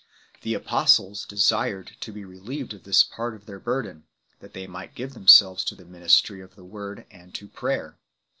The apostles desired to be relieved of this part of their burden, that they might give themselves to the ministry of the word and to prayer.